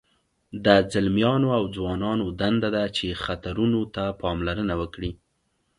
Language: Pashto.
د ځلمیانو او ځوانانو دنده ده چې خطرونو ته پاملرنه وکړي.